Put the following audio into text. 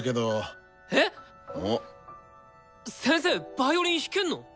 ヴァイオリン弾けんの！？